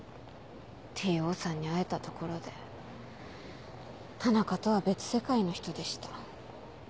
Ｔ・Ｏさんに会えたところで田中とは別世界の人でした。